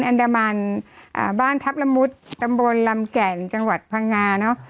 อันดามันอ่าบ้านทัพละมุดตำบลลำแก่นจังหวัดพังงาเนอะ